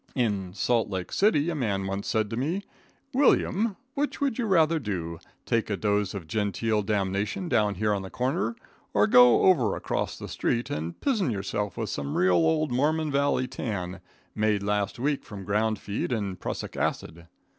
In Salt Lake City a man once said to me: "William, which would you rather do, take a dose of Gentile damnation down here on the corner, or go over across the street and pizen yourself with some real old Mormon Valley tan, made last week from ground feed and prussic acid?"